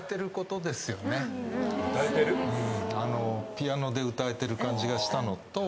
ピアノで歌えてる感じがしたのと。